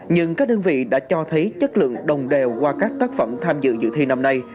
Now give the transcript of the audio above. nhưng các đơn vị đã cho thấy chất lượng đồng đều qua các tác phẩm tham dự dự thi năm nay